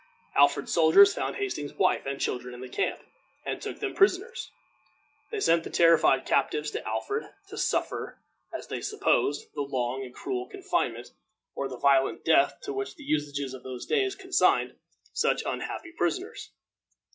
Alfred's soldiers found Hastings's wife and children in the camp, and took them prisoners. They sent the terrified captives to Alfred, to suffer, as they supposed, the long and cruel confinement or the violent death to which the usages of those days consigned such unhappy prisoners.